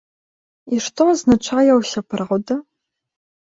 І што азначае ўся праўда?